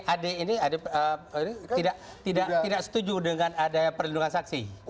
ad ini tidak setuju dengan ada perlindungan saksi